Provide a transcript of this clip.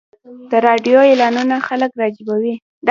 د راډیو اعلانونه خلک راجلبوي.